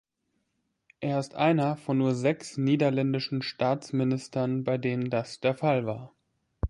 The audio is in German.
Er ist einer von nur sechs niederländischen Staatsministern bei denen das der Fall war.